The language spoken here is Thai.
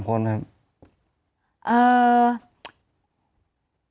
เป็น๓คนครับ